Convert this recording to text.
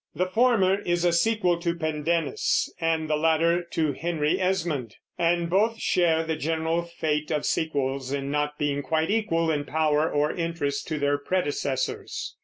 The former is a sequel to Pendennis, and the latter to Henry Esmond; and both share the general fate of sequels in not being quite equal in power or interest to their predecessors.